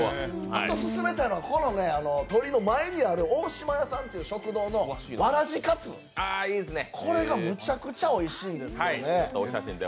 あとオススメは、鳥居の前にある大島屋さんという店のわらじかつ丼、これがむちゃくちゃおいしいんですよね。